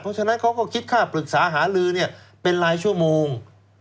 เพราะฉะนั้นเขาก็คิดค่าปรึกษาหาลือเป็นรายชั่วโมง